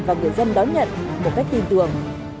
và người dân đón nhận một cách tin tưởng